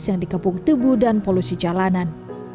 yang dikepung debu dan polusi jalanan